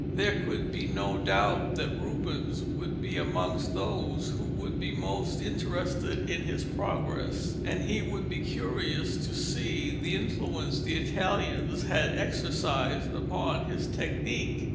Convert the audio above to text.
There could be no doubt that Rubens would be amongst those who would be most interested in his progress, and he would be curious to see the influence the Italians had exercised upon his technique.